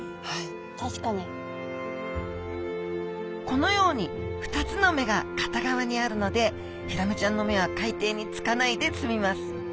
このように２つの目が片側にあるのでヒラメちゃんの目は海底につかないですみます。